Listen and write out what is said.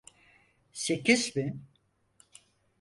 Sekiz mi?